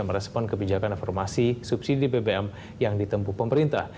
merespon kebijakan reformasi subsidi bbm yang ditempuh pemerintah